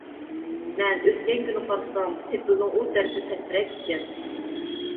مەن ئۆتكەن كۈنى قارىسام، سېپىلنىڭ ئۇ تەرىپى پەسرەك ئىكەن.